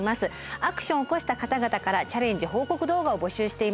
アクションを起こした方々からチャレンジ報告動画を募集しています。